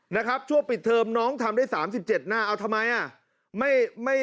นะครับช่วงปิดเทอมน้องทำได้๓๗หน้าเอาทำไมอ่ะ